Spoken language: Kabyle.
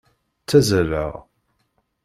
Ttazzaleɣ.